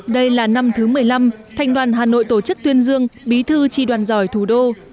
đây là năm thứ một mươi năm thành đoàn hà nội tổ chức tuyên dương bí thư tri đoàn giỏi thủ đô